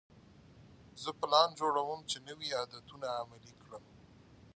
زه پلان جوړوم چې نوي عادتونه عملي کړم.